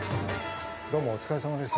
どうもお疲れさまです。